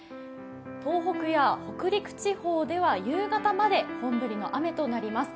東北や北陸地方では夕方まで本降りの雨となります。